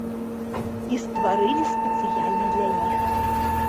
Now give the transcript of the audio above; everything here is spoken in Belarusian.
І стварылі спецыяльна для іх.